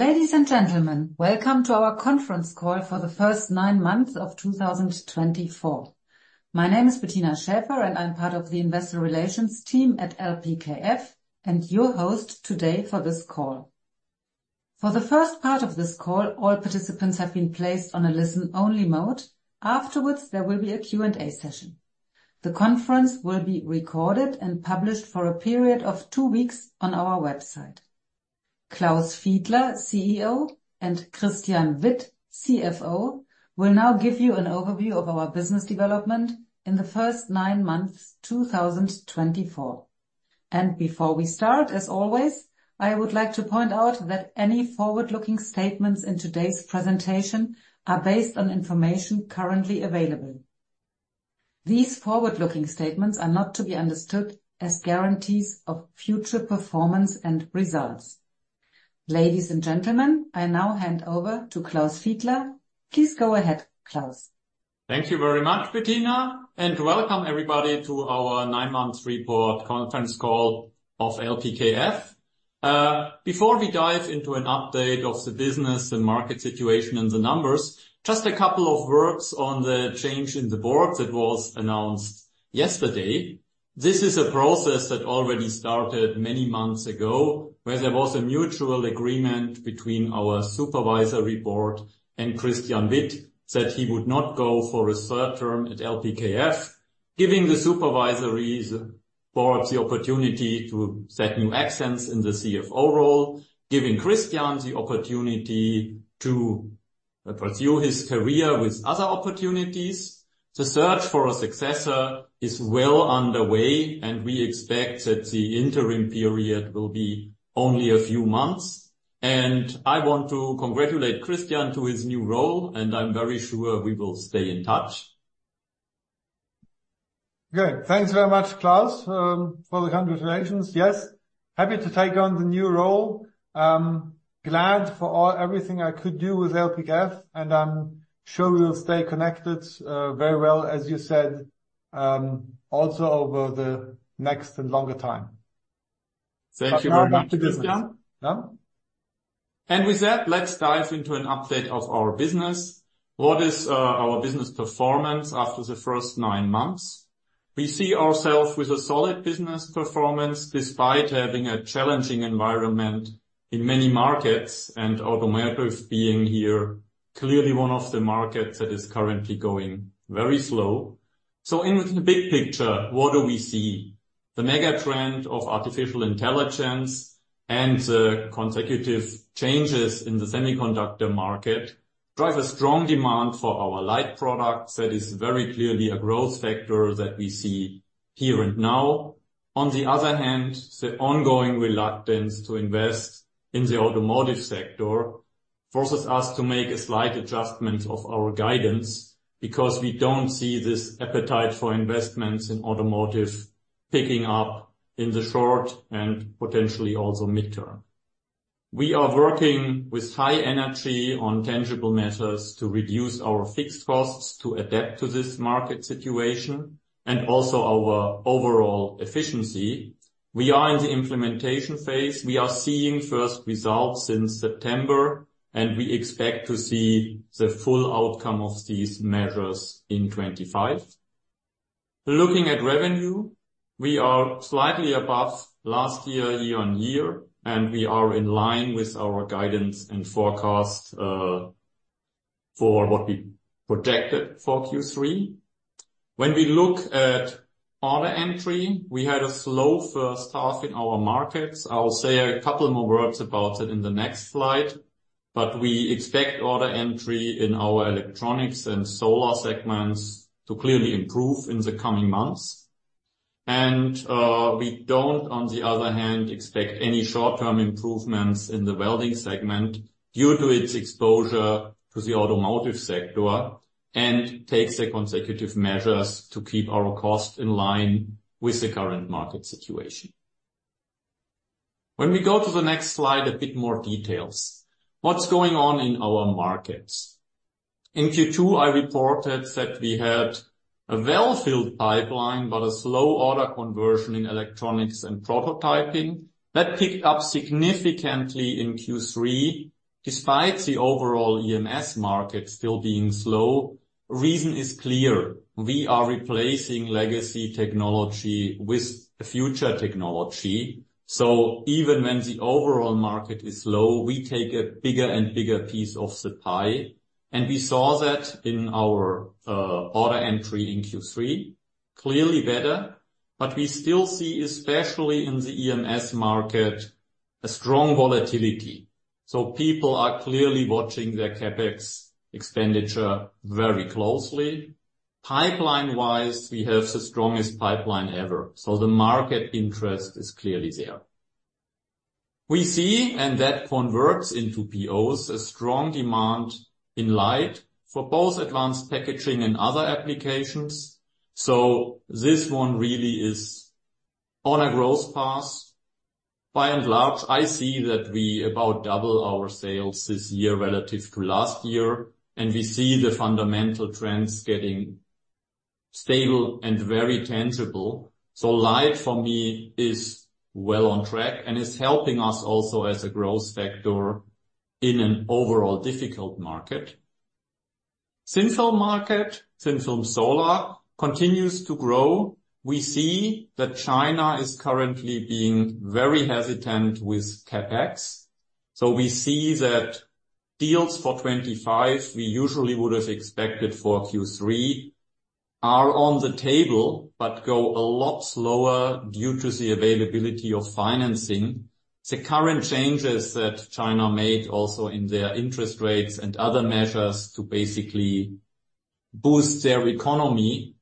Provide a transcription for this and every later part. Ladies and gentlemen, welcome to our conference call for the first nine months of 2024. My name is Bettina Schäfer, and I'm part of the Investor Relations Team at LPKF, and your host today for this call. For the first part of this call, all participants have been placed on a listen-only mode. Afterwards, there will be a Q&A session. The conference will be recorded and published for a period of two weeks on our website. Klaus Fiedler, CEO, and Christian Witt, CFO, will now give you an overview of our business development in the first nine months, 2024. And before we start, as always, I would like to point out that any forward-looking statements in today's presentation are based on information currently available. These forward-looking statements are not to be understood as guarantees of future performance and results. Ladies and gentlemen, I now hand over to Klaus Fiedler. Please go ahead, Klaus. Thank you very much, Bettina, and welcome everybody to our nine-month report conference call of LPKF. Before we dive into an update of the business and market situation and the numbers, just a couple of words on the change in the board that was announced yesterday. This is a process that already started many months ago, where there was a mutual agreement between our supervisory board and Christian Witt, that he would not go for a third term at LPKF. Giving the supervisory board the opportunity to set new accents in the CFO role, giving Christian the opportunity to pursue his career with other opportunities. The search for a successor is well underway, and we expect that the interim period will be only a few months. And I want to congratulate Christian to his new role, and I'm very sure we will stay in touch. Good. Thanks very much, Klaus, for the congratulations. Yes, happy to take on the new role. Glad for everything I could do with LPKF, and I'm sure we will stay connected, very well, as you said, also over the next and longer time. Thank you very much, Christian. Yeah. And with that, let's dive into an update of our business. What is our business performance after the first nine months? We see ourself with a solid business performance, despite having a challenging environment in many markets, and automotive being here clearly one of the markets that is currently going very slow. So in the big picture, what do we see? The mega trend of artificial intelligence and the consecutive changes in the semiconductor market drive a strong demand for our LIDE products. That is very clearly a growth factor that we see here and now. On the other hand, the ongoing reluctance to invest in the automotive sector forces us to make a slight adjustment of our guidance, because we don't see this appetite for investments in automotive picking up in the short and potentially also mid-term. We are working with high energy on tangible measures to reduce our fixed costs to adapt to this market situation and also our overall efficiency. We are in the implementation phase. We are seeing first results since September, and we expect to see the full outcome of these measures in 2025. Looking at revenue, we are slightly above last year, year-on-year, and we are in line with our guidance and forecast for what we projected for Q3. When we look at order entry, we had a slow first half in our markets. I'll say a couple more words about it in the next slide, but we expect order entry in our Electronics and Solar segments to clearly improve in the coming months. We don't, on the other hand, expect any short-term improvements in the Welding segment due to its exposure to the automotive sector and takes the consecutive measures to keep our cost in line with the current market situation. When we go to the next slide, a bit more details. What's going on in our markets? In Q2, I reported that we had a well-filled pipeline, but a slow order conversion in electronics and prototyping. That picked up significantly in Q3, despite the overall EMS market still being slow. Reason is clear, we are replacing legacy technology with future technology. So even when the overall market is low, we take a bigger and bigger piece of the pie, and we saw that in our order entry in Q3. Clearly better, but we still see, especially in the EMS market, a strong volatility. So people are clearly watching their CapEx expenditure very closely. Pipeline-wise, we have the strongest pipeline ever, so the market interest is clearly there. We see, and that converts into POs, a strong demand in LIDE for both advanced packaging and other applications. So this one really is on a growth path. By and large, I see that we about double our sales this year relative to last year, and we see the fundamental trends getting stable and very tangible. So LIDE for me is well on track and is helping us also as a growth factor in an overall difficult market. Thin-film market, thin-film solar continues to grow. We see that China is currently being very hesitant with CapEx, so we see that deals for 2025, we usually would have expected for Q3, are on the table, but go a lot slower due to the availability of financing. The current changes that China made also in their interest rates and other measures to basically boost their economy,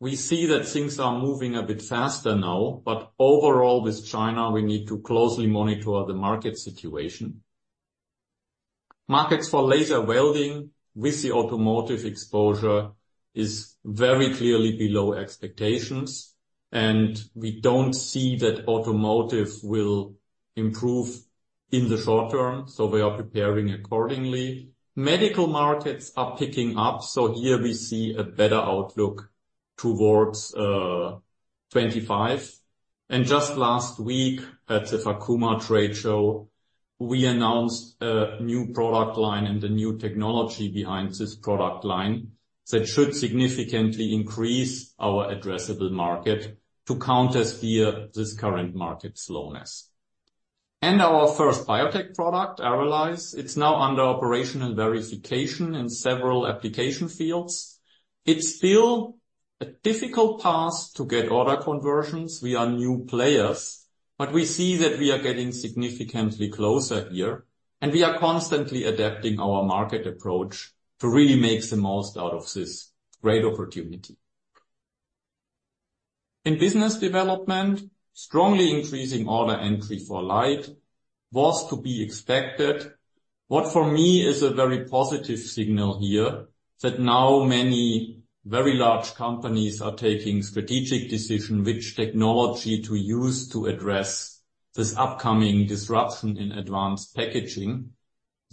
we see that things are moving a bit faster now, but overall, with China, we need to closely monitor the market situation. Markets for laser welding with the automotive exposure is very clearly below expectations, and we don't see that automotive will improve in the short term, so we are preparing accordingly. Medical markets are picking up, so here we see a better outlook towards 2025, and just last week, at the Fakuma trade show, we announced a new product line and a new technology behind this product line that should significantly increase our addressable market to countersteer this current market slowness, and our first biotech product, ARRALYZE, it's now under operational verification in several application fields. It's still a difficult path to get order conversions. We are new players, but we see that we are getting significantly closer here, and we are constantly adapting our market approach to really make the most out of this great opportunity. In business development, strongly increasing order entry for LIDE was to be expected. What for me is a very positive signal here, that now many very large companies are taking strategic decision, which technology to use to address this upcoming disruption in advanced packaging.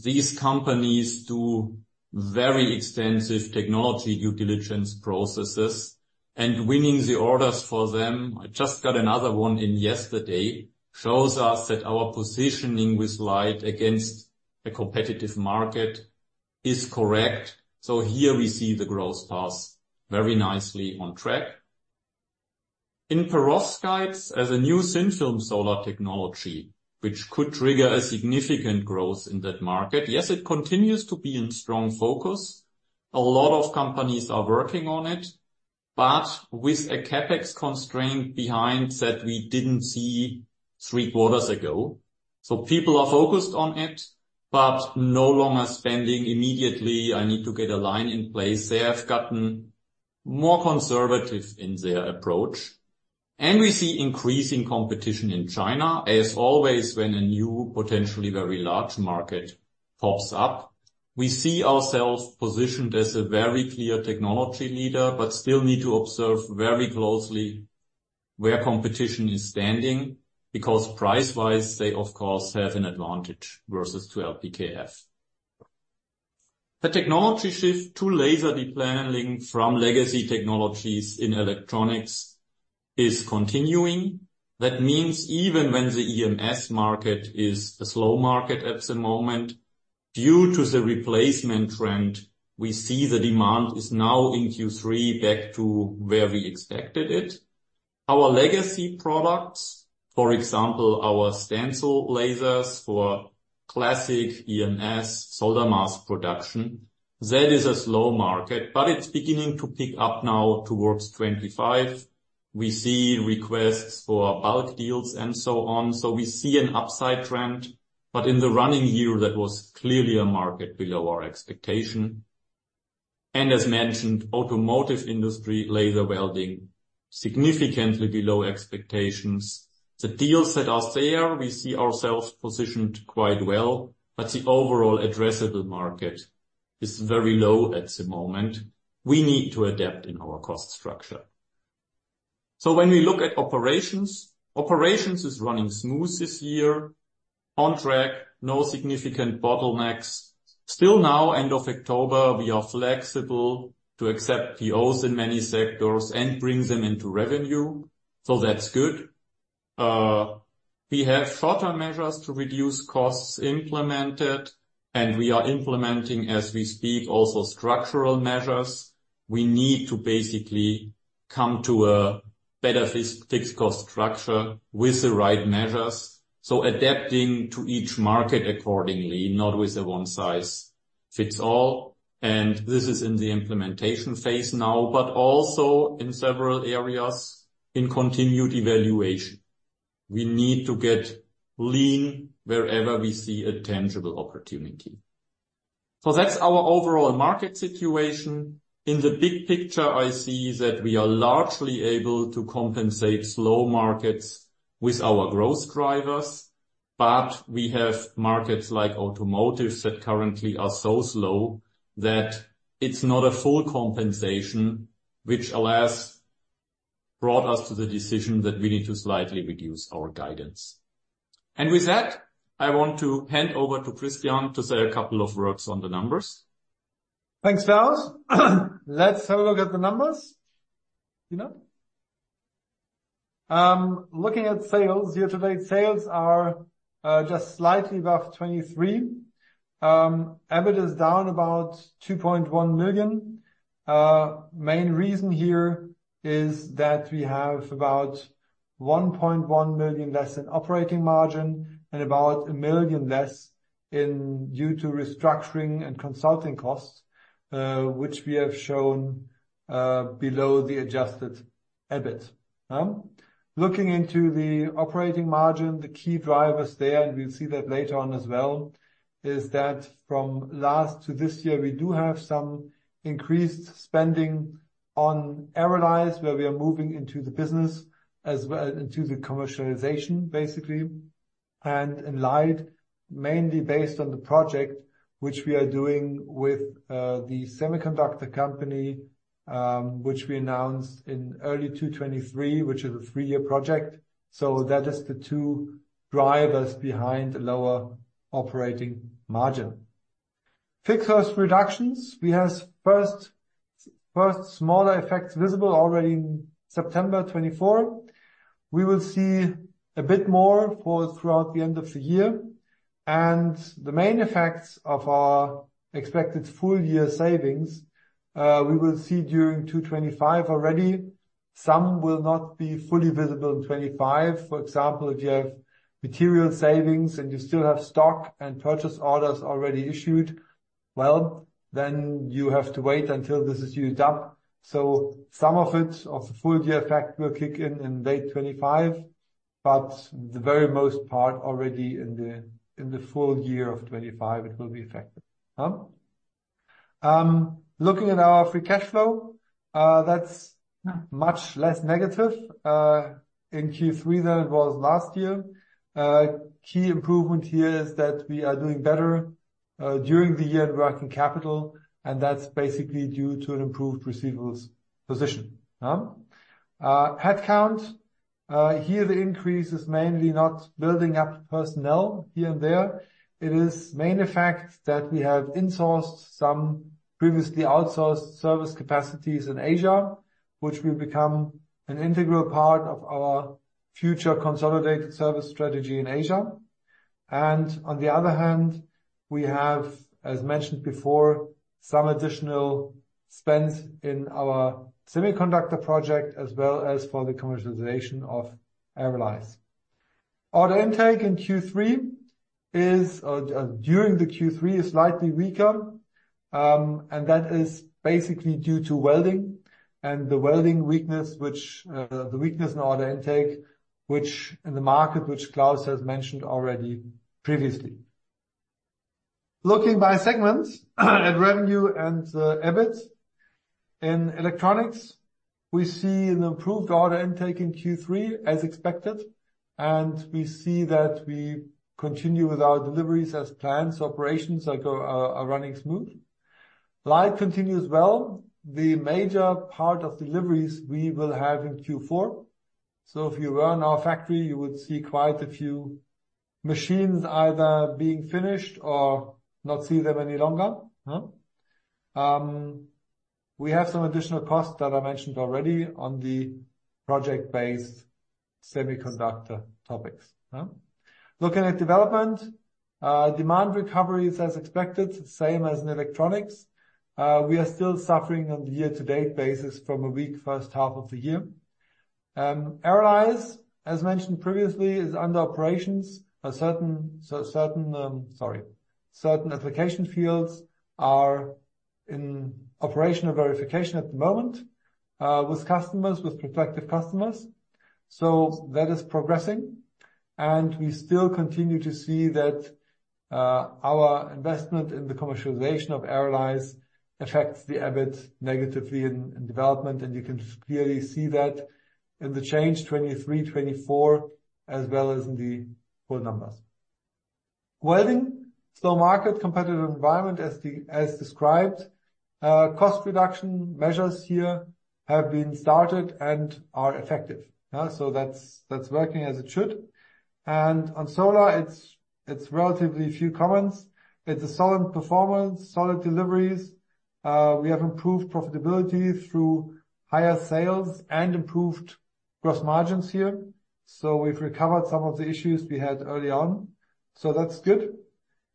These companies do very extensive technology due diligence processes, and winning the orders for them, I just got another one in yesterday, shows us that our positioning with LIDE against a competitive market is correct. So here we see the growth path very nicely on track. In perovskites, as a new thin-film solar technology, which could trigger a significant growth in that market, yes, it continues to be in strong focus. A lot of companies are working on it, but with a CapEx constraint behind that we didn't see three quarters ago. So people are focused on it, but no longer spending immediately, "I need to get a line in place." They have gotten more conservative in their approach, and we see increasing competition in China. As always, when a new, potentially very large market pops up, we see ourselves positioned as a very clear technology leader, but still need to observe very closely where competition is standing, because price-wise, they of course, have an advantage versus to LPKF. The technology shift to laser depaneling from legacy technologies in electronics is continuing. That means even when the EMS market is a slow market at the moment, due to the replacement trend, we see the demand is now in Q3 back to where we expected it. Our legacy products, for example, our stencil lasers for classic EMS solder mask production, that is a slow market, but it's beginning to pick up now towards 2025. We see requests for bulk deals and so on, so we see an upside trend, but in the running year, that was clearly a market below our expectation. And as mentioned, automotive industry, laser welding, significantly below expectations. The deals that are there, we see ourselves positioned quite well, but the overall addressable market is very low at the moment. We need to adapt in our cost structure. So when we look at operations, operations is running smooth this year, on track, no significant bottlenecks. Still now, end of October, we are flexible to accept POs in many sectors and bring them into revenue, so that's good. We have short-term measures to reduce costs implemented, and we are implementing, as we speak, also structural measures. We need to basically come to a better fixed cost structure with the right measures, so adapting to each market accordingly, not with a one-size-fits-all, and this is in the implementation phase now, but also in several areas in continued evaluation. We need to get lean wherever we see a tangible opportunity, so that's our overall market situation. In the big picture, I see that we are largely able to compensate slow markets with our growth drivers, but we have markets like automotive that currently are so slow that it's not a full compensation, which, alas, brought us to the decision that we need to slightly reduce our guidance, and with that, I want to hand over to Christian to say a couple of words on the numbers. Thanks, Klaus. Let's have a look at the numbers. You know? Looking at sales, year-to-date sales are just slightly above 2023. EBIT is down about 2.1 million. Main reason here is that we have about 1.1 million less in operating margin, and about 1 million less due to restructuring and consulting costs, which we have shown below the adjusted EBIT. Looking into the operating margin, the key drivers there, and we'll see that later on as well, is that from last to this year, we do have some increased spending on ARRALYZE, where we are moving into the business as well, into the commercialization, basically and in LIDE, mainly based on the project which we are doing with the semiconductor company, which we announced in early 2023, which is a three-year project. So that is the two drivers behind the lower operating margin. Fixed cost reductions. We have first smaller effects visible already in September 2024. We will see a bit more for throughout the end of the year. And the main effects of our expected full year savings, we will see during 2025 already. Some will not be fully visible in 2025. For example, if you have material savings and you still have stock and purchase orders already issued, well, then you have to wait until this is used up. So some of it, of the full year effect, will kick in in late 2025, but the very most part already in the, in the full year of 2025, it will be effective. Looking at our free cash flow, that's much less negative in Q3 than it was last year. Key improvement here is that we are doing better during the year in working capital, and that's basically due to an improved receivables position. Headcount here, the increase is mainly not building up personnel here and there. It is main effect that we have insourced some previously outsourced service capacities in Asia, which will become an integral part of our future consolidated service strategy in Asia. And on the other hand, we have, as mentioned before, some additional spend in our semiconductor project, as well as for the commercialization of ARRALYZE. Order intake in Q3 is slightly weaker, and that is basically due to welding and the welding weakness in the market, which Klaus has mentioned already previously. Looking by segments, at revenue and EBIT. In electronics, we see an improved order intake in Q3, as expected, and we see that we continue with our deliveries as planned, so operations are running smooth. LIDE continues well. The major part of deliveries we will have in Q4. So if you were in our factory, you would see quite a few machines either being finished or not see them any longer. We have some additional costs that I mentioned already on the project-based semiconductor topics. Looking at development, demand recovery is as expected, same as in electronics. We are still suffering on the year-to-date basis from a weak first half of the year. ARRALYZE, as mentioned previously, is under operations. Certain application fields are in operational verification at the moment, with customers, with prospective customers. So that is progressing, and we still continue to see that our investment in the commercialization of ARRALYZE affects the EBIT negatively in development, and you can clearly see that in the change 2023, 2024, as well as in the whole numbers. Welding, slow market, competitive environment, as described. Cost reduction measures here have been started and are effective. So that's working as it should. And on solar, it's relatively few comments. It's a solid performance, solid deliveries. We have improved profitability through higher sales and improved gross margins here, so we've recovered some of the issues we had early on. So that's good.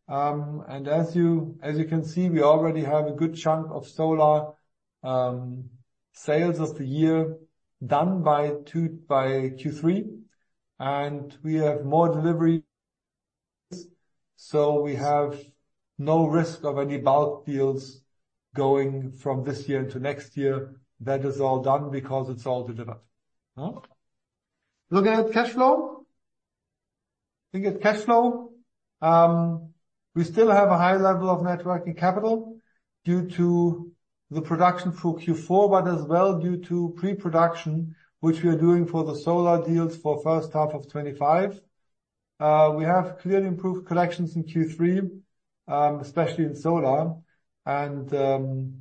And as you can see, we already have a good chunk of solar sales of the year done by Q3, and we have more deliveries, so we have no risk of any bulk deals going from this year into next year. That is all done because it's all delivered, huh? Looking at cash flow, we still have a high level of net working capital due to the production through Q4, but as well due to pre-production, which we are doing for the solar deals for first half of 2025. We have clearly improved collections in Q3, especially in solar, and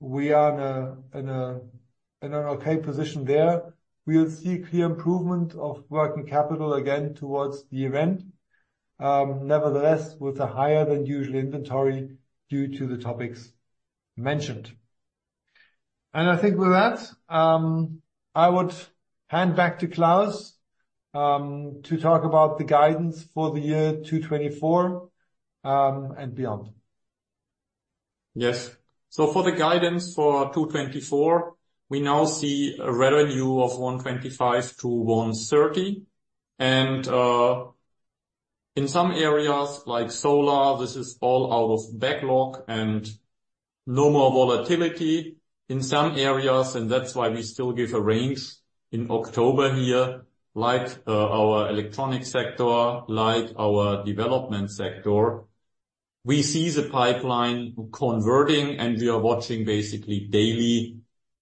we are in an okay position there. We will see clear improvement of working capital again towards the end, nevertheless, with a higher than usual inventory due to the topics mentioned. I think with that, I would hand back to Klaus to talk about the guidance for the year 2024 and beyond. Yes. So for the guidance for 2024, we now see a revenue of 125 million-130 million. And in some areas like solar, this is all out of backlog and no more volatility in some areas, and that's why we still give a range in October here, like our electronic sector, like our development sector. We see the pipeline converting, and we are watching basically daily,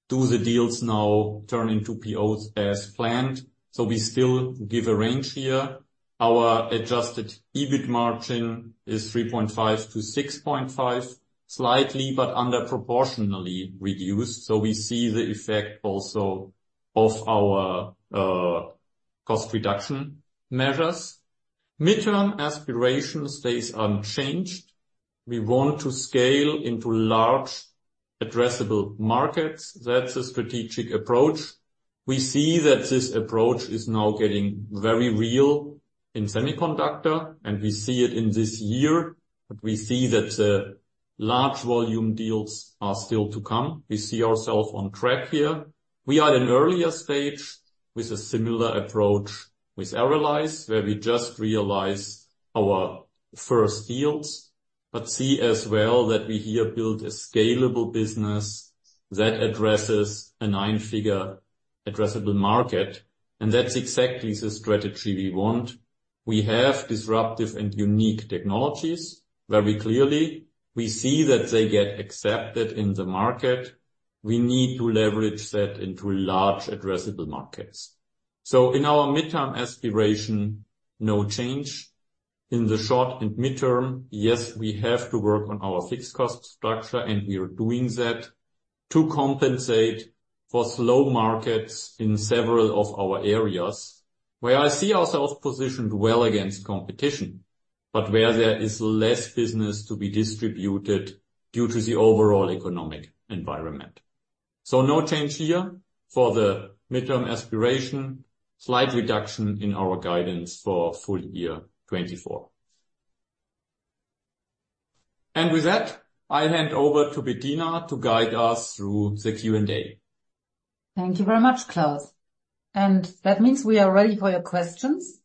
do the deals now turn into POs as planned? So we still give a range here. Our adjusted EBIT margin is 3.5%-6.5%, slightly but under proportionally reduced. So we see the effect also of our cost reduction measures. Mid-term aspiration stays unchanged. We want to scale into large addressable markets. That's a strategic approach. We see that this approach is now getting very real in semiconductor, and we see it in this year, but we see that large volume deals are still to come. We see ourselves on track here. We are at an earlier stage with a similar approach with ARRALYZE, where we just realized our first deals, but see as well that we here build a scalable business that addresses a nine-figure addressable market, and that's exactly the strategy we want. We have disruptive and unique technologies, very clearly. We see that they get accepted in the market. We need to leverage that into large addressable markets. So in our midterm aspiration, no change. In the short and midterm, yes, we have to work on our fixed cost structure, and we are doing that to compensate for slow markets in several of our areas, where I see ourselves positioned well against competition, but where there is less business to be distributed due to the overall economic environment. So no change here for the midterm aspiration. Slight reduction in our guidance for full year 2024. And with that, I hand over to Bettina to guide us through the Q&A. Thank you very much, Klaus, and that means we are ready for your questions.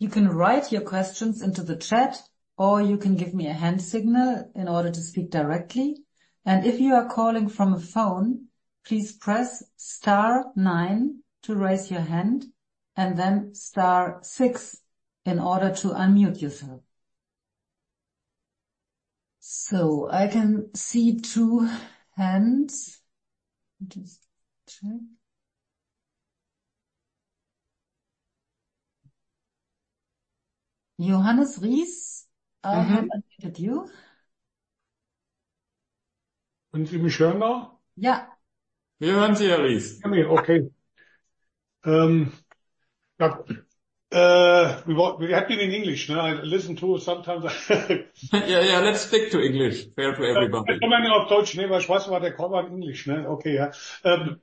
You can write your questions into the chat, or you can give me a hand signal in order to speak directly, and if you are calling from a phone, please press star nine to raise your hand and then star six in order to unmute yourself, so I can see two hands. Let me just check. Johannes Ries, I have unmuted you. Can you hear me? Yeah. We hear you, Ries. Hear me, okay. Yeah, we happy in English, no? I listen to sometimes. Yeah, yeah. Let's stick to English. Fair to everybody. I come in on Deutsch. Never mind, I know they come in English, no? Okay, yeah.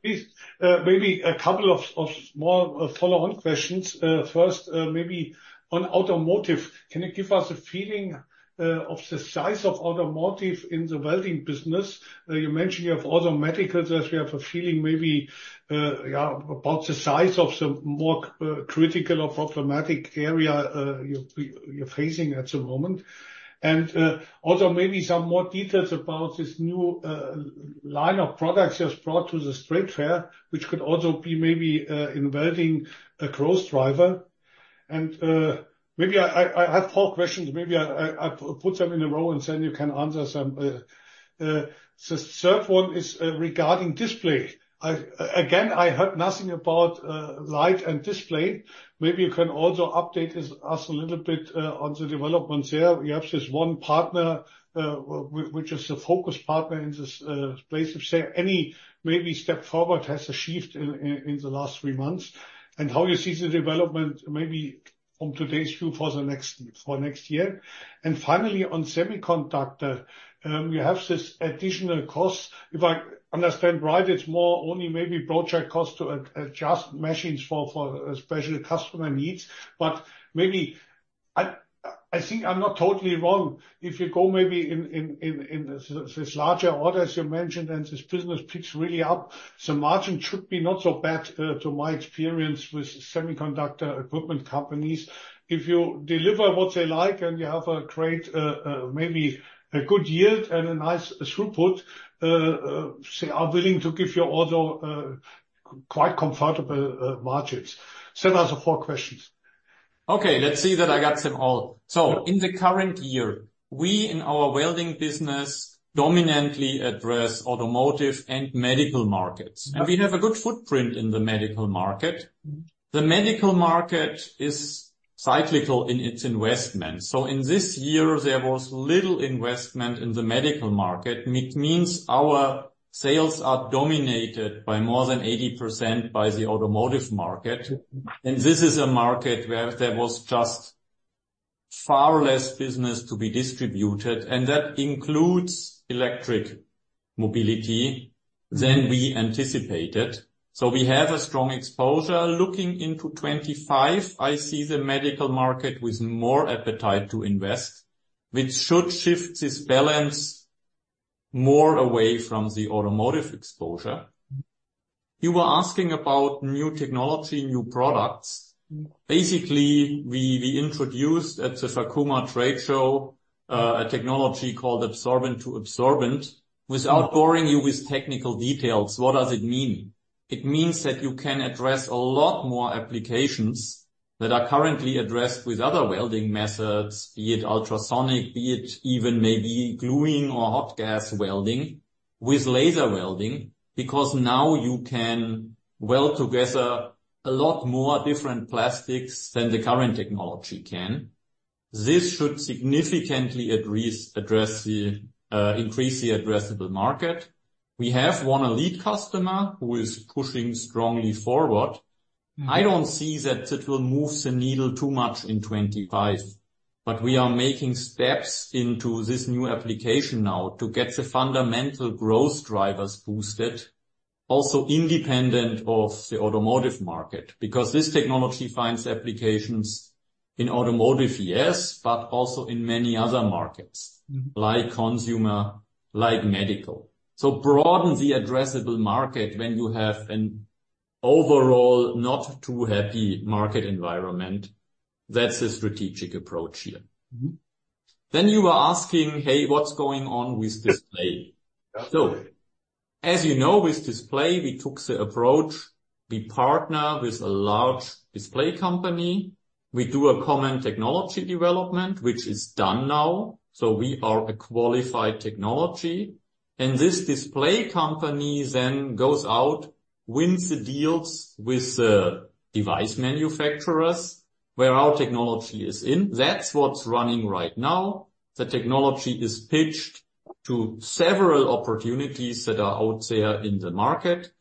Please, maybe a couple of more follow-on questions. First, maybe on automotive, can you give us a feeling of the size of automotive in the welding business? You mentioned you have other medicals, that we have a feeling maybe, yeah, about the size of the more critical or problematic area you are facing at the moment. And, also, maybe some more details about this new line of products you have brought to the trade fair, which could also be maybe in welding, a growth driver. And, maybe I have four questions. Maybe I put them in a row, and then you can answer some. The third one is regarding display. Again, I heard nothing about LIDE and display. Maybe you can also update us a little bit on the developments here. You have this one partner, which is a focus partner in this space of, say, any maybe step forward has achieved in the last three months, and how you see the development maybe from today's view for next year. And finally, on semiconductor, you have this additional cost. If I understand right, it's more only maybe project cost to adjust machines for special customer needs. But maybe I think I'm not totally wrong. If you go maybe in this larger orders you mentioned, and this business picks really up, the margin should be not so bad to my experience with semiconductor equipment companies. If you deliver what they like and you have a great, maybe a good yield and a nice throughput, they are willing to give you also quite comfortable margins. Send us the four questions. ... Okay, let's see that I got them all. So in the current year, we, in our welding business, dominantly address automotive and medical markets, and we have a good footprint in the medical market. The medical market is cyclical in its investment, so in this year there was little investment in the medical market, which means our sales are dominated by more than 80% by the automotive market. And this is a market where there was just far less business to be distributed, and that includes electric mobility than we anticipated. So we have a strong exposure. Looking into 2025, I see the medical market with more appetite to invest, which should shift this balance more away from the automotive exposure. You were asking about new technology, new products. Basically, we introduced at the Fakuma trade show a technology called absorbent-to-absorbent. Without boring you with technical details, what does it mean? It means that you can address a lot more applications that are currently addressed with other welding methods, be it ultrasonic, be it even maybe gluing or hot gas welding with laser welding, because now you can weld together a lot more different plastics than the current technology can. This should significantly increase the addressable market. We have one early customer who is pushing strongly forward. I don't see that it will move the needle too much in 2025, but we are making steps into this new application now to get the fundamental growth drivers boosted, also independent of the automotive market. Because this technology finds applications in automotive, yes, but also in many other markets. Mm-hmm. Like consumer, like medical. So broaden the addressable market when you have an overall not too happy market environment. That's the strategic approach here. Mm-hmm. Then you were asking: Hey, what's going on with display? So as you know, with display, we took the approach, we partner with a large display company. We do a common technology development, which is done now, so we are a qualified technology. And this display company then goes out, wins the deals with the device manufacturers, where our technology is in. That's what's running right now. The technology is pitched to several opportunities that are out there in the market.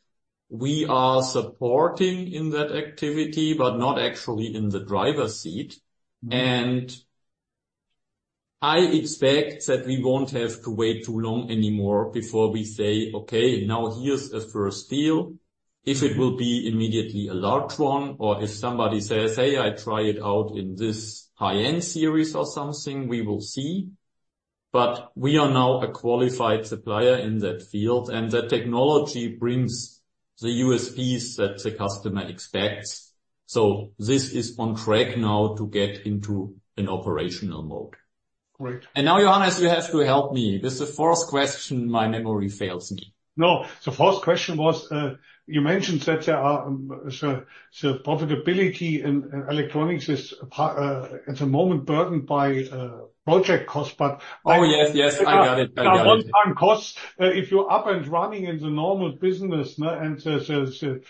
We are supporting in that activity, but not actually in the driver's seat. And I expect that we won't have to wait too long anymore before we say, "Okay, now here's a first deal." If it will be immediately a large one, or if somebody says, "Hey, I try it out in this high-end series or something," we will see. But we are now a qualified supplier in that field, and that technology brings the USPs that the customer expects. So this is on track now to get into an operational mode. Great. Now, Johannes, you have to help me. With the fourth question, my memory fails me. No, the fourth question was, you mentioned that there are, the profitability in electronics is at the moment burdened by project cost, but- Oh, yes, yes, I got it. I got it. One-time costs. If you're up and running in the normal business and the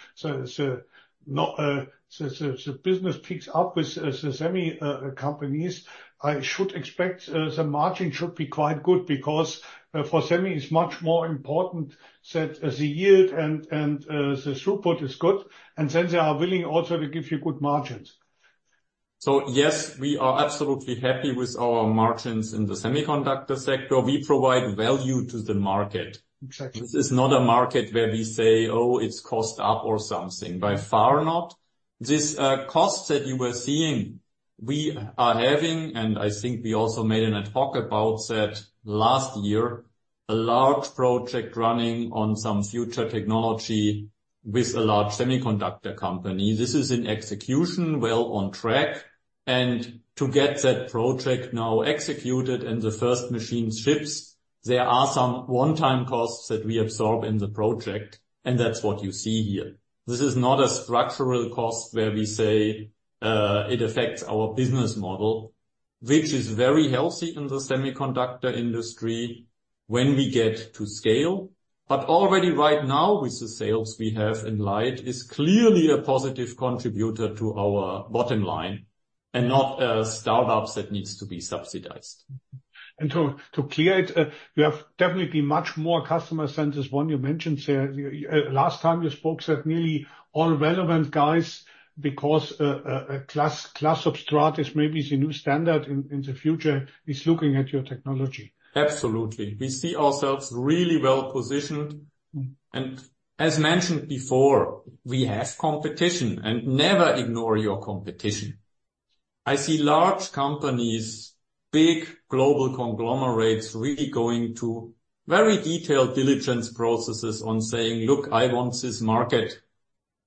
business picks up with the semi companies, I should expect the margin should be quite good. Because for semi, it's much more important that the yield and the throughput is good, and then they are willing also to give you good margins. So yes, we are absolutely happy with our margins in the semiconductor sector. We provide value to the market. Exactly. This is not a market where we say, "Oh, it's costing up or something." By far not. This cost that you were seeing, we are having, and I think we also had a talk about that last year, a large project running on some future technology with a large semiconductor company. This is in execution, well on track. And to get that project now executed and the first machine ships, there are some one-time costs that we absorb in the project, and that's what you see here. This is not a structural cost where we say, it affects our business model, which is very healthy in the semiconductor industry when we get to scale. But already right now, with the sales we have in LIDE, is clearly a positive contributor to our bottom line and not a startup that needs to be subsidized. To clear it, you have definitely much more customer than just one you mentioned there. Last time you spoke that nearly all relevant guys, because glass substrates may be the new standard in the future, is looking at your technology. Absolutely. We see ourselves really well positioned. And as mentioned before, we have competition and never ignore your competition. I see large companies, big global conglomerates, really going to very detailed diligence processes on saying, "Look, I want this market.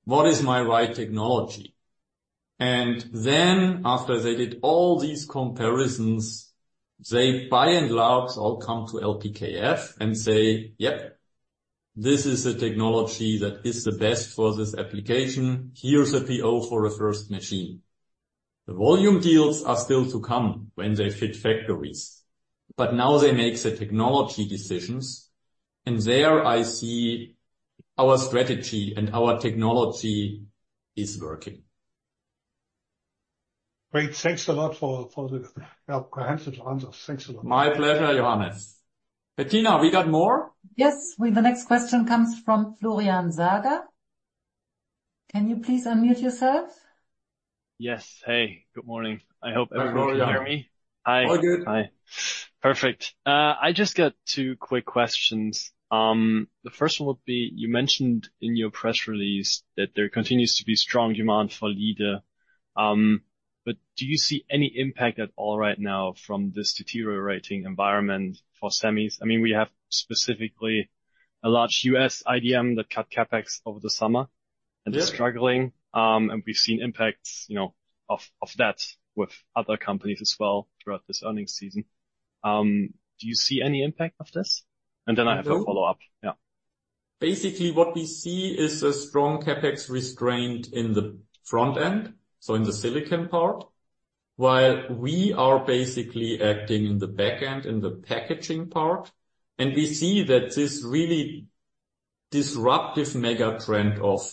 What is my right technology?" And then after they did all these comparisons, they by and large all come to LPKF and say, "Yep-"... This is a technology that is the best for this application. Here's a PO for a first machine. The volume deals are still to come when they fit factories, but now they make the technology decisions, and there I see our strategy and our technology is working. Great. Thanks a lot for the comprehensive answers. Thanks a lot. My pleasure, Johannes. Bettina, we got more? Yes. Well, the next question comes from Florian Zaga. Can you please unmute yourself? Yes. Hey, good morning. I hope everyone can hear me. Hi, Florian. Hi. All good. Hi. Perfect. I just got two quick questions. The first one would be, you mentioned in your press release that there continues to be strong demand for LIDE, but do you see any impact at all right now from this deteriorating environment for semis? I mean, we have specifically a large U.S. IDM that cut CapEx over the summer. Yeah and is struggling. And we've seen impacts, you know, of that with other companies as well throughout this earnings season. Do you see any impact of this? No. And then I have a follow-up. Yeah. Basically, what we see is a strong CapEx restraint in the front end, so in the silicon part. While we are basically acting in the back end, in the packaging part, and we see that this really disruptive mega trend of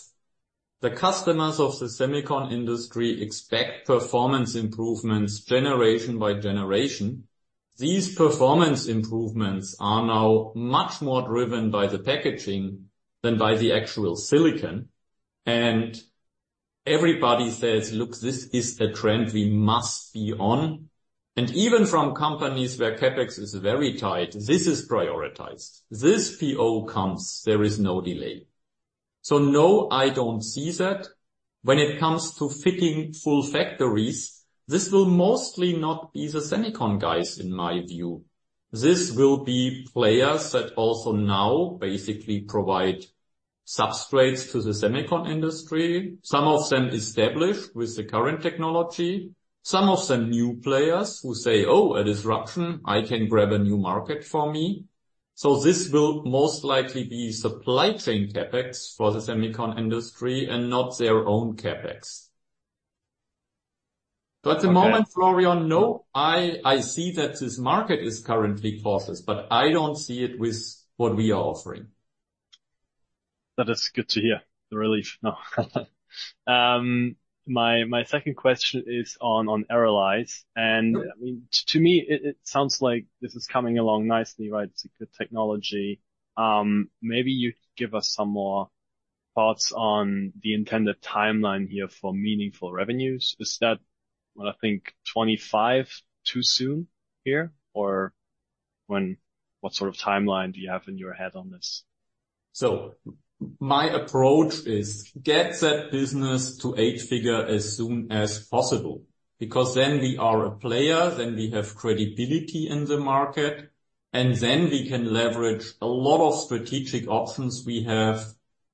the customers of the semicon industry expect performance improvements generation by generation. These performance improvements are now much more driven by the packaging than by the actual silicon. And everybody says, "Look, this is the trend we must be on." And even from companies where CapEx is very tight, this is prioritized. This PO comes, there is no delay. So no, I don't see that. When it comes to fitting full factories, this will mostly not be the semicon guys, in my view. This will be players that also now basically provide substrates to the semicon industry. Some of them established with the current technology, some of them new players who say, "Oh, a disruption. I can grab a new market for me." So this will most likely be supply chain CapEx for the semicon industry and not their own CapEx. Okay. At the moment, Florian, no, I see that this market is currently soft, but I don't see it with what we are offering. That is good to hear. The relief. No. My second question is on ARRALYZE. Sure. I mean, to me, it sounds like this is coming along nicely, right? It's a good technology. Maybe you'd give us some more thoughts on the intended timeline here for meaningful revenues. Is that what I think, 2025 too soon here, or when, what sort of timeline do you have in your head on this? So my approach is get that business to eight-figure as soon as possible, because then we are a player, then we have credibility in the market, and then we can leverage a lot of strategic options we have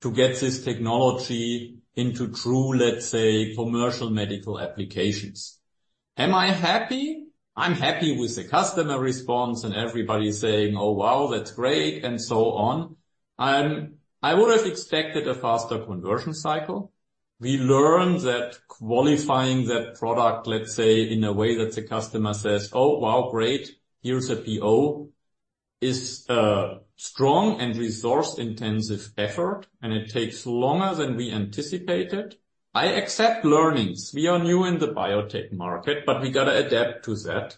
to get this technology into true, let's say, commercial medical applications. Am I happy? I'm happy with the customer response and everybody saying, "Oh, wow, that's great," and so on. I would have expected a faster conversion cycle. We learned that qualifying that product, let's say, in a way that the customer says, "Oh, wow, great, here's a PO," is a strong and resource-intensive effort, and it takes longer than we anticipated. I accept learnings. We are new in the biotech market, but we got to adapt to that.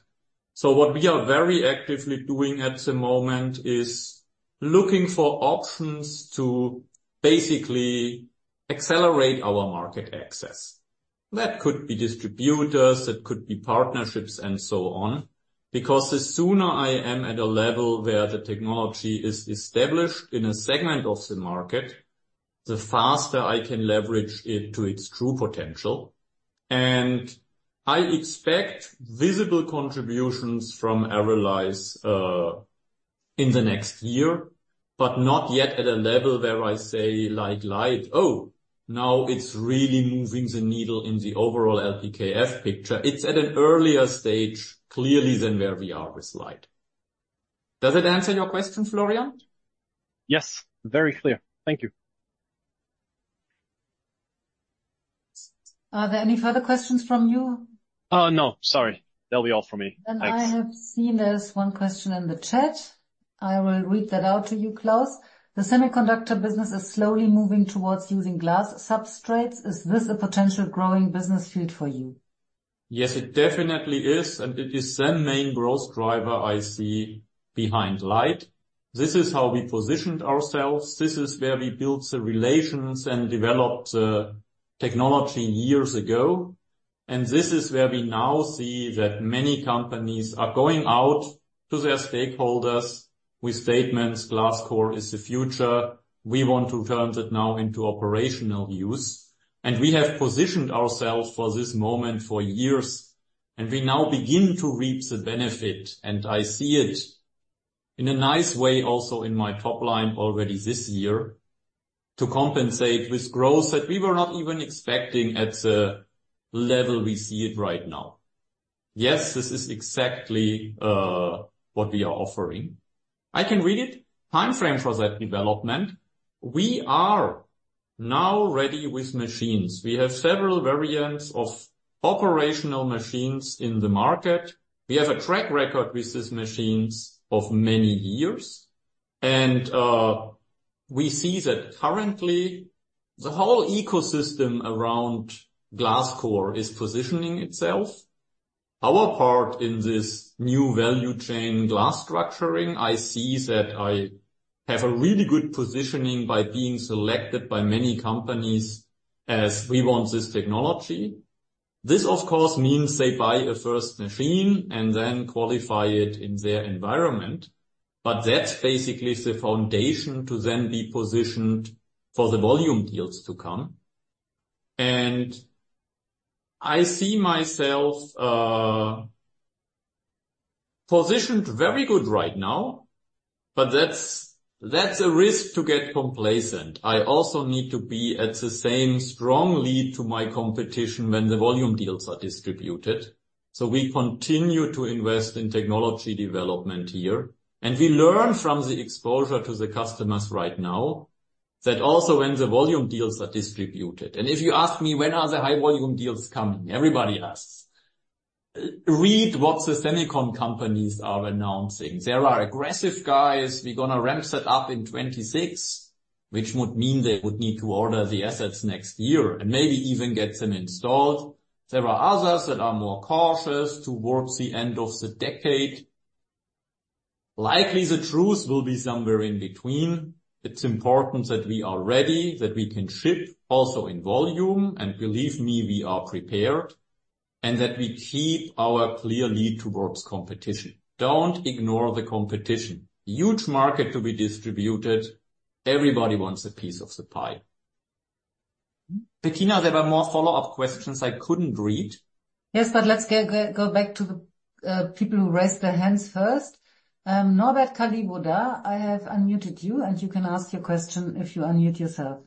So what we are very actively doing at the moment is looking for options to basically accelerate our market access. That could be distributors, that could be partnerships, and so on. Because the sooner I am at a level where the technology is established in a segment of the market, the faster I can leverage it to its true potential. And I expect visible contributions from ARRALYZE in the next year, but not yet at a level where I say, like, LIDE, "Oh, now it's really moving the needle in the overall LPKF picture." It's at an earlier stage, clearly, than where we are with LIDE. Does it answer your question, Florian? Yes, very clear. Thank you. Are there any further questions from you? No, sorry. That'll be all from me. Thanks. I have seen there's one question in the chat. I will read that out to you, Klaus. The semiconductor business is slowly moving towards using glass substrates. Is this a potential growing business field for you? Yes, it definitely is, and it is the main growth driver I see behind LIDE. This is how we positioned ourselves. This is where we built the relations and developed the technology years ago, and this is where we now see that many companies are going out to their stakeholders with statements, "Glass core is the future. We want to turn that now into operational use." And we have positioned ourselves for this moment for years, and we now begin to reap the benefit, and I see it in a nice way also in my top line already this year... to compensate with growth that we were not even expecting at the level we see it right now. Yes, this is exactly what we are offering. I can read it. Time frame for that development. We are now ready with machines. We have several variants of operational machines in the market. We have a track record with these machines of many years, and we see that currently the whole ecosystem around glass core is positioning itself. Our part in this new value chain, glass structuring, I see that I have a really good positioning by being selected by many companies as we want this technology. This of course means they buy a first machine and then qualify it in their environment, but that's basically the foundation to then be positioned for the volume deals to come. And I see myself positioned very good right now, but that's a risk to get complacent. I also need to be at the same strong lead to my competition when the volume deals are distributed. We continue to invest in technology development here, and we learn from the exposure to the customers right now that also when the volume deals are distributed. If you ask me, when are the high volume deals coming? Everybody asks. Read what the semiconductor companies are announcing. There are aggressive guys. We're gonna ramp that up in 2026, which would mean they would need to order the assets next year and maybe even get them installed. There are others that are more cautious towards the end of the decade. Likely, the truth will be somewhere in between. It's important that we are ready, that we can ship also in volume, and believe me, we are prepared, and that we keep our clear lead towards competition. Don't ignore the competition. Huge market to be distributed. Everybody wants a piece of the pie. Bettina, there were more follow-up questions I couldn't read. Yes, but let's go back to the people who raised their hands first. Norbert Kalliwoda, I have unmuted you, and you can ask your question if you unmute yourself.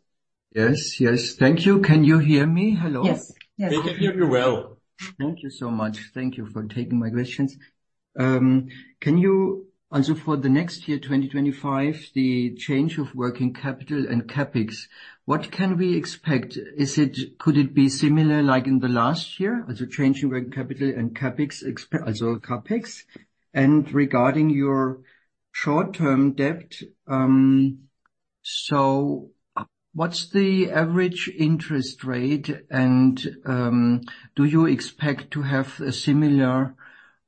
Yes. Yes. Thank you. Can you hear me? Hello? Yes. Yes. We can hear you well. Thank you so much. Thank you for taking my questions. Can you also for the next year, 2025, the change of working capital and CapEx, what can we expect? Could it be similar like in the last year, as a change in working capital and CapEx, also CapEx? And regarding your short-term debt, so what's the average interest rate, and, do you expect to have a similar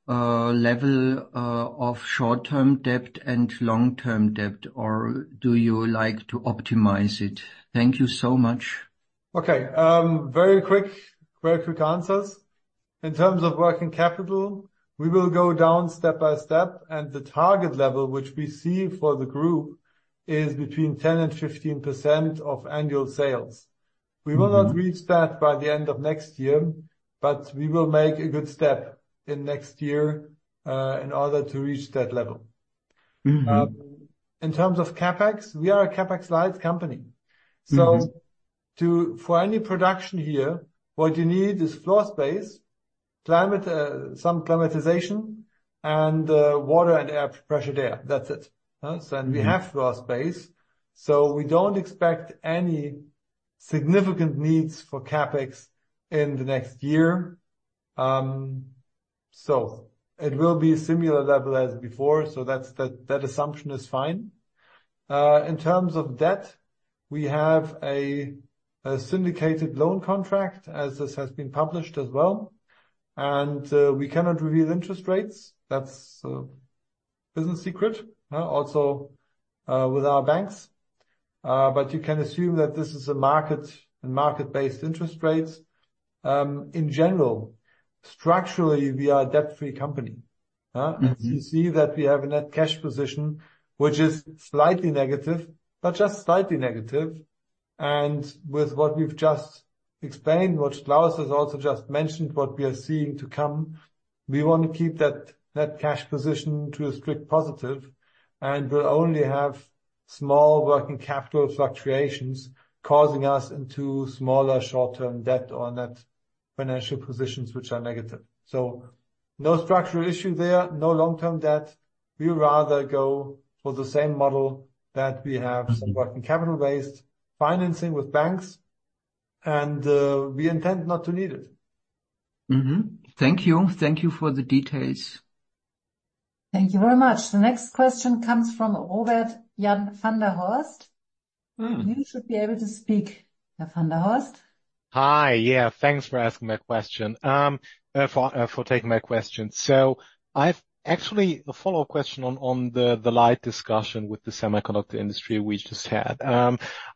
level of short-term debt and long-term debt, or do you like to optimize it? Thank you so much. Okay, very quick, very quick answers. In terms of working capital, we will go down step by step, and the target level, which we see for the group, is between 10% and 15% of annual sales. Mm-hmm. We will not reach that by the end of next year, but we will make a good step in next year, in order to reach that level. Mm-hmm. In terms of CapEx, we are a CapEx LIDE company. Mm-hmm. For any production here, what you need is floor space, climate, some climatization, and water and air, pressured air. That's it. So Mm-hmm. and we have floor space, so we don't expect any significant needs for CapEx in the next year. So it will be a similar level as before, so that's the... That assumption is fine. In terms of debt, we have a syndicated loan contract, as this has been published as well, and we cannot reveal interest rates. That's a business secret, also with our banks. But you can assume that this is a market-based interest rates. In general, structurally, we are a debt-free company? Mm-hmm. You see that we have a net cash position, which is slightly negative, but just slightly negative. With what we've just explained, what Klaus has also just mentioned, what we are seeing to come, we want to keep that net cash position to a strict positive and will only have small working capital fluctuations causing us into smaller short-term debt or net financial positions, which are negative. No structural issue there, no long-term debt. We would rather go for the same model that we have- Mm-hmm. - some working capital-based financing with banks, and we intend not to need it. Mm-hmm. Thank you. Thank you for the details. Thank you very much. The next question comes from Robert-Jan van der Horst. Mm-hmm. You should be able to speak, van der Horst. Hi. Yeah, thanks for taking my question. So I've actually a follow-up question on the LIDE discussion with the semiconductor industry we just had.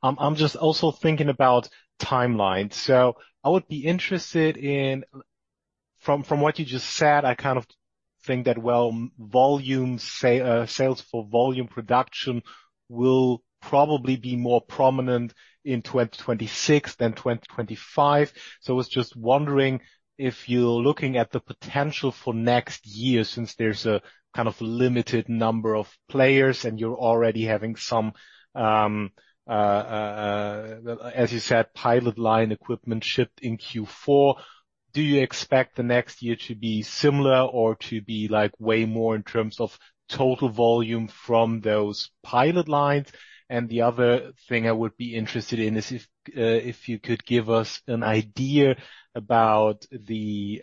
I'm just also thinking about timeline. So I would be interested in... From what you just said, I kind of think that, well, volume sales for volume production will probably be more prominent in 2026 than 2025. So I was just wondering if you're looking at the potential for next year, since there's kind of a limited number of players and you're already having some, as you said, pilot line equipment shipped in Q4. Do you expect the next year to be similar or to be like way more in terms of total volume from those pilot lines? And the other thing I would be interested in is if you could give us an idea about the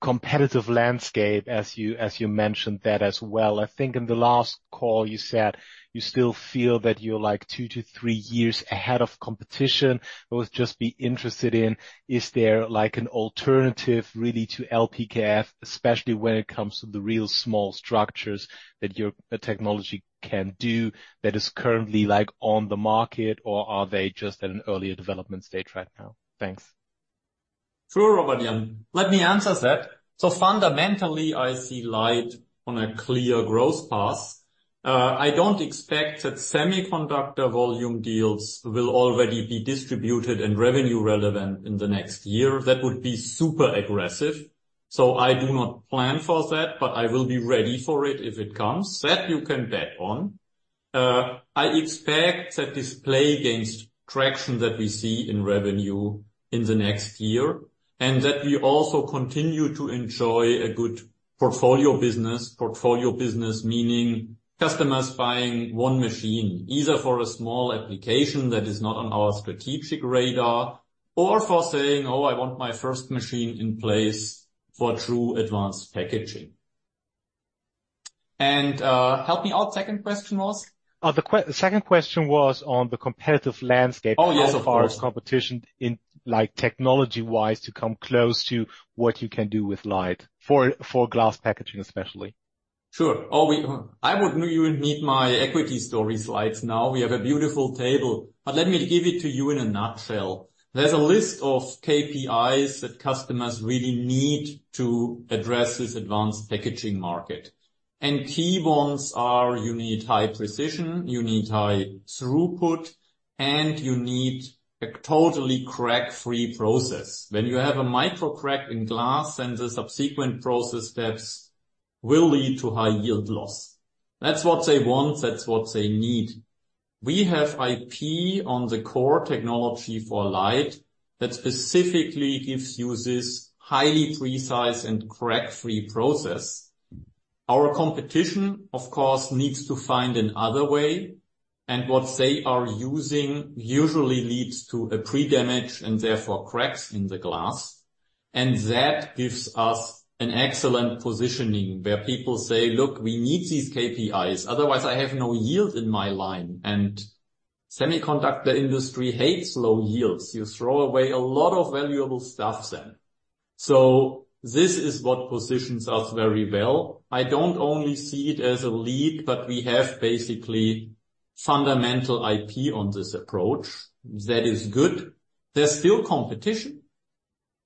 competitive landscape as you, as you mentioned that as well. I think in the last call you said you still feel that you're like two to three years ahead of competition. I would just be interested in, is there like an alternative really, to LPKF, especially when it comes to the real small structures that your technology can do that is currently like on the market, or are they just at an earlier development stage right now? Thanks. Sure, Robert-Jan. Let me answer that. So fundamentally, I see LIDE on a clear growth path. I don't expect that semiconductor volume deals will already be distributed and revenue relevant in the next year. That would be super aggressive. So I do not plan for that, but I will be ready for it if it comes. That you can bet on. I expect that display gains traction that we see in revenue in the next year, and that we also continue to enjoy a good portfolio business. Portfolio business, meaning customers buying one machine, either for a small application that is not on our strategic radar, or for saying, "Oh, I want my first machine in place for true advanced packaging." And, help me out, second question was? The second question was on the competitive landscape. Oh, yes, of course. How far is competition in, like, technology-wise to come close to what you can do with LIDE for glass packaging, especially? Sure. Oh, I would even need my equity story slides now. We have a beautiful table. But let me give it to you in a nutshell. There's a list of KPIs that customers really need to address this advanced packaging market. And key ones are you need high precision, you need high throughput, and you need a totally crack-free process. When you have a microcrack in glass, then the subsequent process steps will lead to high yield loss. That's what they want, that's what they need. We have IP on the core technology for LIDE that specifically gives you this highly precise and crack-free process. Our competition, of course, needs to find another way, and what they are using usually leads to a pre-damage and therefore cracks in the glass. And that gives us an excellent positioning, where people say, "Look, we need these KPIs, otherwise I have no yield in my line." And semiconductor industry hates low yields. You throw away a lot of valuable stuff then. So this is what positions us very well. I don't only see it as a lead, but we have basically fundamental IP on this approach. That is good. There's still competition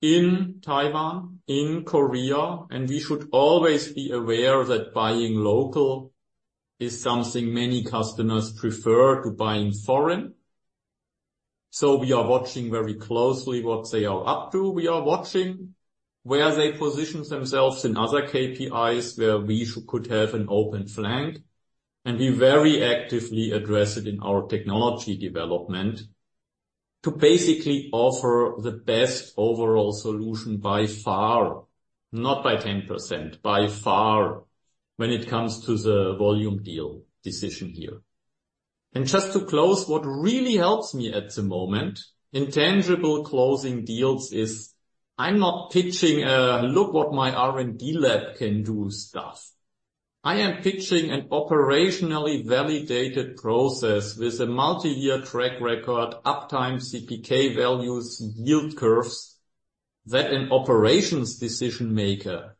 in Taiwan, in Korea, and we should always be aware that buying local is something many customers prefer to buying foreign. So we are watching very closely what they are up to. We are watching where they position themselves in other KPIs, where we could have an open flank, and we very actively address it in our technology development to basically offer the best overall solution by far, not by 10%, by far, when it comes to the volume deal decision here. And just to close, what really helps me at the moment, in tangible closing deals is I'm not pitching, "Look what my R&D lab can do," stuff. I am pitching an operationally validated process with a multi-year track record, uptime, CPK values, yield curves, that an operations decision maker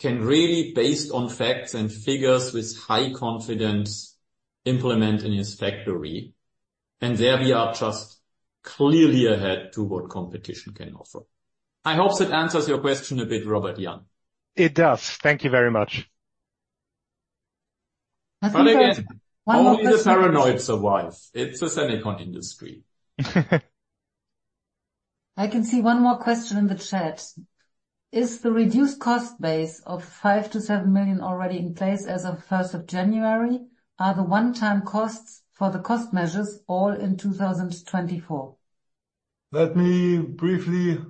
can really, based on facts and figures, with high confidence, implement in his factory. And there we are just clearly ahead to what competition can offer. I hope that answers your question a bit, Robert-Jan. It does. Thank you very much. But again- I think one more question- Only the paranoid survives. It's a semicon industry. I can see one more question in the chat. Is the reduced cost base of 5 million-7 million already in place as of first of January? Are the one-time costs for the cost measures all in 2024? Let me briefly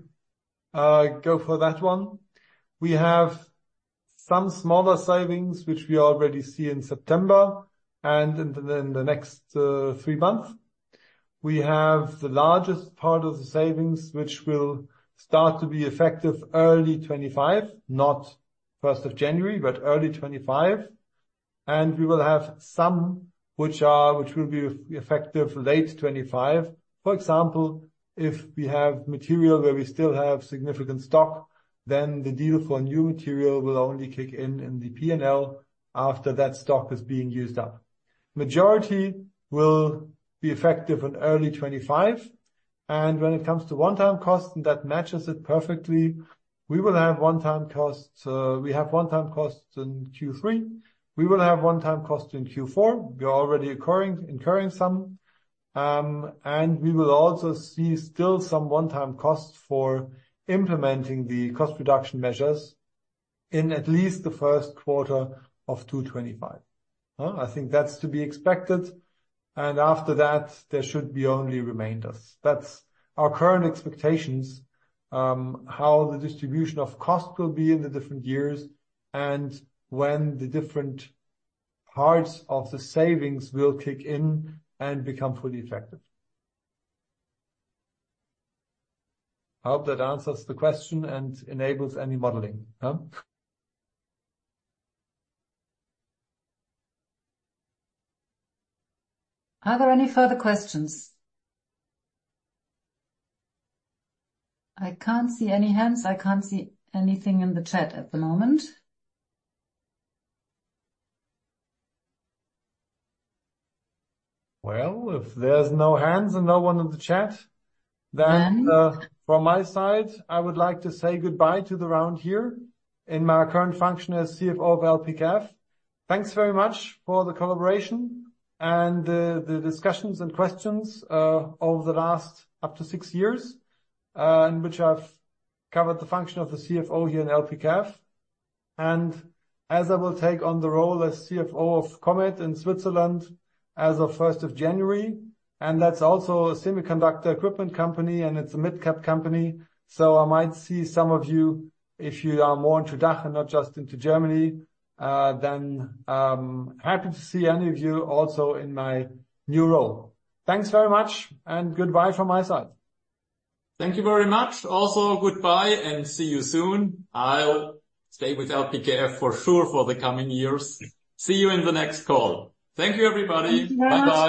go for that one. We have some smaller savings, which we already see in September and in the next three months. We have the largest part of the savings, which will start to be effective early 2025, not first of January, but early 2025. And we will have some which are which will be effective late 2025. For example, if we have material where we still have significant stock, then the deal for new material will only kick in in the P&L after that stock is being used up. Majority will be effective in early 2025, and when it comes to one-time cost, and that matches it perfectly, we will have one-time costs, we have one-time costs in Q3. We will have one-time costs in Q4. We are already incurring some. And we will also see still some one-time costs for implementing the cost reduction measures in at least the first quarter of 2025. I think that's to be expected, and after that, there should be only remainders. That's our current expectations, how the distribution of cost will be in the different years and when the different parts of the savings will kick in and become fully effective. I hope that answers the question and enables any modeling. Are there any further questions? I can't see any hands. I can't see anything in the chat at the moment. If there's no hands and no one in the chat, then, from my side, I would like to say goodbye to the round here in my current function as CFO of LPKF. Thanks very much for the collaboration and the discussions and questions over the last up to six years, in which I've covered the function of the CFO here in LPKF. And as I will take on the role as CFO of Comet in Switzerland as of first of January, and that's also a semiconductor equipment company, and it's a mid-cap company. So I might see some of you, if you are more into DACH, not just into Germany, then, happy to see any of you also in my new role. Thanks very much, and goodbye from my side. Thank you very much. Also, goodbye and see you soon. I'll stay with LPKF for sure for the coming years. See you in the next call. Thank you, everybody. Bye-bye.